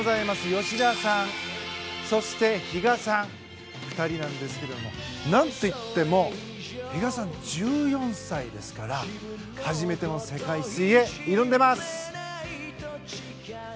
吉田さん、そして比嘉さん２人なんですけどなんといっても比嘉さんは１４歳ですから初めての世界水泳、挑んでます。